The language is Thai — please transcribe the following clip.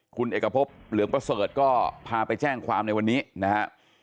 คุณเอกพบเหลืองประเสริฐก็พาไปแจ้งความในวันนี้นะฮะ